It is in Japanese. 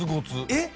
えっ。